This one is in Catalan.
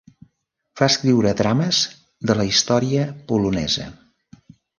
Va escriure drames de la història polonesa.